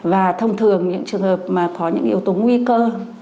và thông thường những trường hợp mà có những yếu tố nguy cơ